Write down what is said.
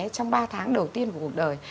trong ba tháng đầu tiên của cuộc đời